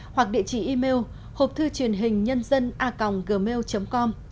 hoặc địa chỉ email hộpthư truyền hình nhân dân a gmail com